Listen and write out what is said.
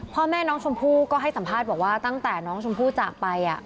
พ่อแม่น้องชมพู่ก็ให้สัมภาษณ์บอกว่าตั้งแต่น้องชมพู่จากไป